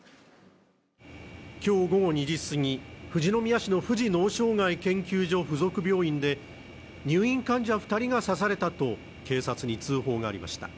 今日午後２時過ぎ、富士宮市の富士脳障害研究所附属病院で、入院患者２人が刺されたと警察に通報がありました。